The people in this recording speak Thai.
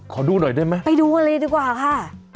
ขอดูหน่อยได้ไหมไปดูกันเลยดีกว่าค่ะ